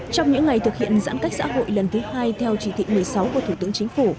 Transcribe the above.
trong những ngày thực hiện giãn cách xã hội lần thứ hai theo chỉ thị một mươi sáu của thủ tướng chính phủ